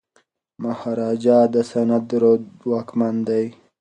مهاراجا د سند رود واکمن دی.